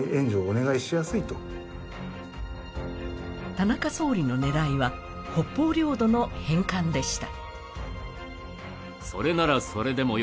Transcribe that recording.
田中総理の狙いは北方領土の返還でした。